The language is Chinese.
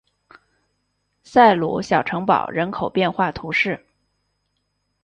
塞鲁小城堡人口变化图示